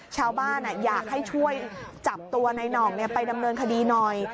ชาวบ้านอะอยากให้ช่วยจับตัวนายนองเนี่ยไปดำเนินคดีหน่อย